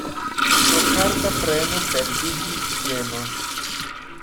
Pro karta preno perdiĝis bieno.